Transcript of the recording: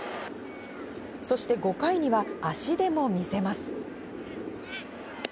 そして５回には足でも見せます。